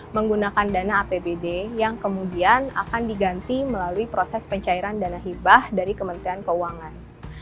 menggunakan dana apbd yang kemudian akan diganti melalui proses pencairan dana hibah dari kementerian keuangan